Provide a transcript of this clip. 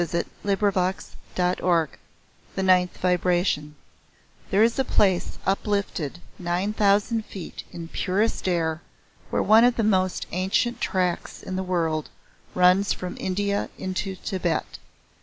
"THE ROUND FACED BEAUTY" THE NINTH VIBRATION There is a place uplifted nine thousand feet in purest air where one of the most ancient tracks in the world runs from India into Tibet.